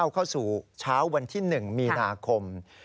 เข้าสู่เช้าวันที่๑มีนาคม